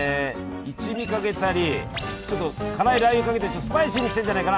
一味かけたりちょっと辛いラー油かけてスパイシーにしてんじゃないかな？